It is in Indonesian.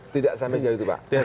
tidak sampai sejauh itu pak